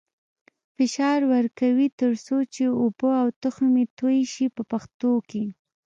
فشار ورکوي تر څو چې اوبه او تخم یې توی شي په پښتو کې.